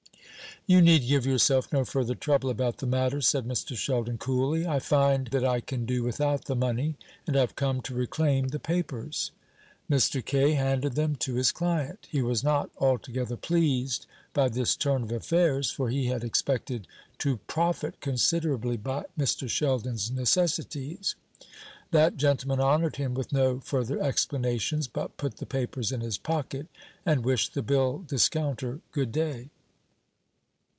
"You need give yourself no further trouble about the matter," said Mr. Sheldon coolly. "I find that I can do without the money, and I've come to reclaim the papers." Mr. Kaye handed them to his client. He was not altogether pleased by this turn of affairs; for he had expected to profit considerably by Mr. Sheldon's necessities. That gentleman honoured him with no further explanations, but put the papers in his pocket, and wished the bill discounter good day.